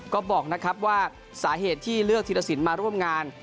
ก็บอกนะครับว่าสาเหตุที่เลือกธีรสินมาร่วมงาน